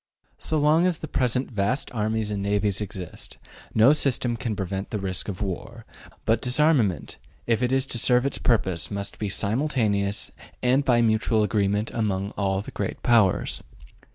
So long as the present vast armies and navies exist, no system can prevent the risk of war. But disarmament, if it is to serve its purpose, must be simultaneous and by mutual agreement among all the Great Powers.